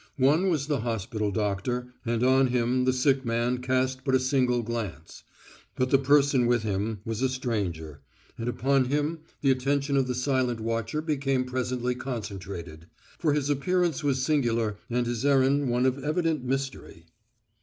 One was the hospital doctor, and on him the sick man cast but a single glance; but the person with him was a stranger, and upon him the attention of the silent watcher became presently concentrated, for his appearance was singular and his errand one of evident mystery.